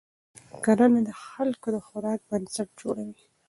کرنه د خلکو د خوراک بنسټ جوړوي